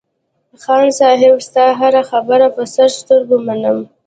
خان صاحب ستا هره خبره په سر سترگو منم.